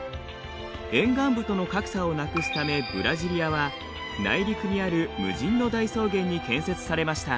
沿岸部との格差をなくすためブラジリアは内陸にある無人の大草原に建設されました。